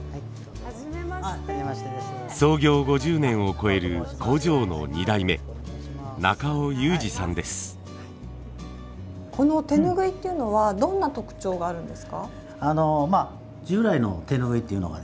創業５０年を超える工場の２代目この手ぬぐいっていうのはどんな特徴があるんですか？